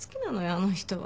あの人は。